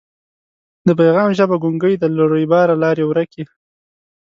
د پیغام ژبه ګونګۍ ده له رویباره لاري ورکي